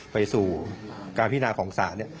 ไปสู่การพินาของศาลเนี่ย